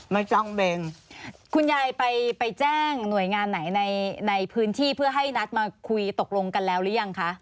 ไม่ต้องเบงคุณยายไปไปแจ้งหน่วยงานไหนในในพื้นที่เพื่อให้นัดมาคุยตกลงกันแล้วหรือยังคะ